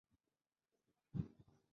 na juhudi za kuwahamisha maelfu ya wananchi